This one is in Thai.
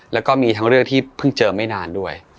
แล้วก็มีทั้งเรื่องที่เพิ่งเจอไม่นานด้วย